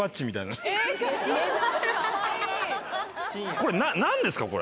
これ何ですかこれ。